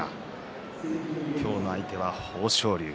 今日の相手は豊昇龍